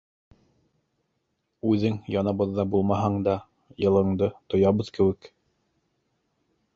Үҙең яныбыҙҙа булмаһаң да, йылыңды тоябыҙ кеүек.